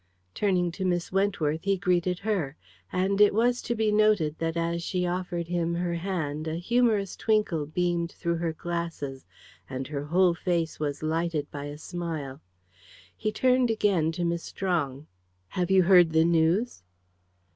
Turning to Miss Wentworth he greeted her. And it was to be noted that as she offered him her hand a humorous twinkle beamed through her glasses, and her whole face was lighted by a smile. He turned again to Miss Strong. "Have you heard the news?"